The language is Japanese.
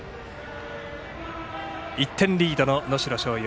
１点リードの能代松陽。